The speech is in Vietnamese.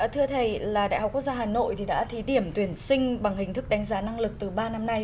thưa thầy là đại học quốc gia hà nội đã thí điểm tuyển sinh bằng hình thức đánh giá năng lực từ ba năm nay